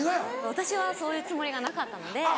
私はそういうつもりがなかったので。